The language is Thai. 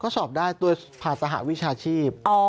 ก็สอบได้โดยผ่านสหวิชาชีพ